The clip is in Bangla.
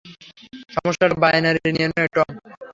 সমস্যাটা বাইনারি নিয়ে নয়, টম।